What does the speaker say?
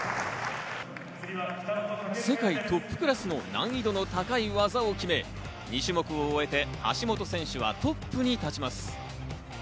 世界トップクラスの難易度の高い技を決め、２種目を終えて、橋本選手はトップに立ちます。